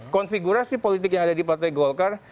konfigurasi politik yang ada di partai golkar